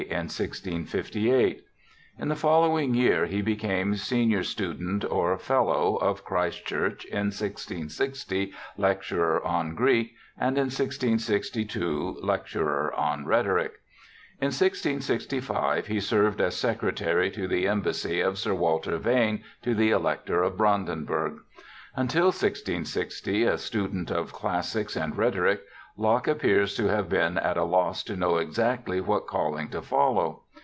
in 1658. In the following year he became senior student or Fellow of Christ Church, in 1660 Lecturer on Greek, and in 1662 Lec turer on Rhetoric. In 1665 he served as secretary to the embassy of Sir Walter Vane to the Elector of Brandenburg. Until 1660 a student of classics and rhetoric, Locke appears to have been at a loss to know exactly what calling to follow.